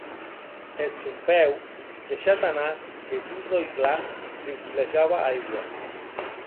Eth sòn peu, deishat anar e d’un ròi clar, regolejaue aigua.